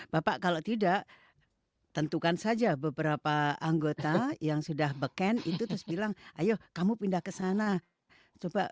bapak kalau tidak tentukan saja beberapa anggota yang sudah beken itu terus bilang ayo kamu pindah ke sana coba